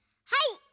はい！